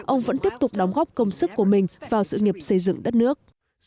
ông vẫn tiếp tục đóng góp công sức của mình vào sự nghiệp xây dựng đất nước